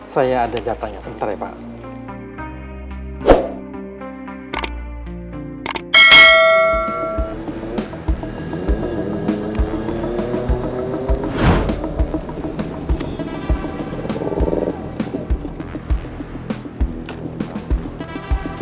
saya ada datanya sebentar ya pak